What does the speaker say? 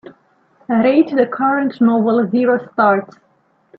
rate the current novel zero stars